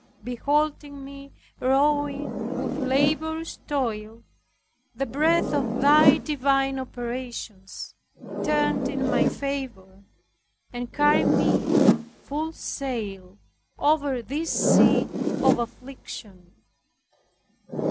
Beholding me rowing with laborious toil, the breath of Thy divine operations turned in my favor, and carried me full sail over this sea of affliction.